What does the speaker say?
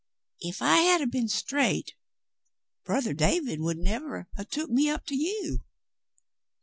"Ef I had 'a' been straight, brother David never would 'a' took me up to you